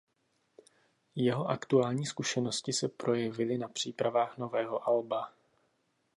Jeho aktuální zkušenosti se projevily na přípravách nového alba.